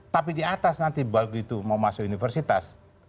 tapi di atas nanti begitu mau masuk universitas